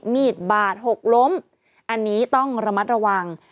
มีดบาดหกล้มอันนี้ต้องระมัดระวัง